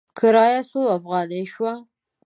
کرایه څو افغانې شوه؟